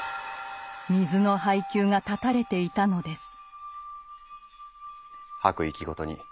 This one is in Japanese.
水の配給が断たれていたのです。